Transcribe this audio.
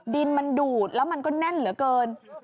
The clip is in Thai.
ดินมันดูดแล้วมันก็แน่นเหลือเกิน